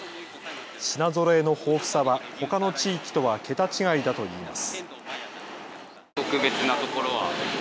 品ぞろえの豊富さはほかの地域とは桁違いだといいます。